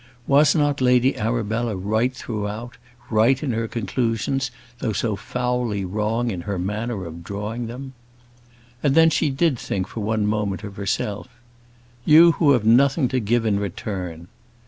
Was not Lady Arabella right throughout, right in her conclusions, though so foully wrong in her manner of drawing them? And then she did think for one moment of herself. "You who have nothing to give in return!"